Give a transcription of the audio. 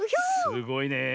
すごいねえ。